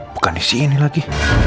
bukan disini lagi